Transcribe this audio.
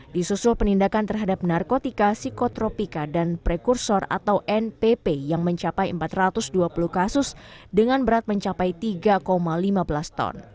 disusul penindakan terhadap narkotika psikotropika dan prekursor atau npp yang mencapai empat ratus dua puluh kasus dengan berat mencapai tiga lima belas ton